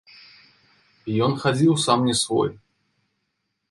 Ён хадзіў сам не свой.